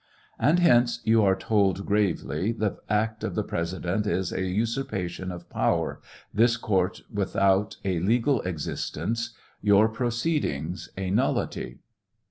And hence you are told gravely, the act of the President is a usurpation of power, this court without a legal existence, your proceedings a nullity.